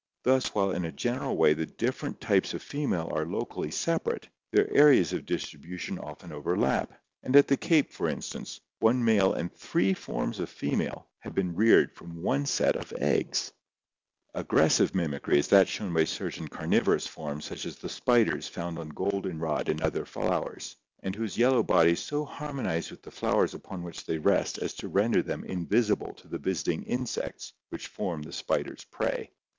Thus while in a general way the different types of female are locally separate, their areas of distribution often overlap, and, at the Cape for instance, one male and three forms of female have been reared from one set of eggs' COLORATION AND MIMICRY 245 Aggressive mimicry is that shown by certain carnivorous forms such as the spiders found on golden rod and other flowers, and whose yellow bodies so harmonize with the flowers upon which they rest as to render them invisible to the visiting insects which form the spider's prey.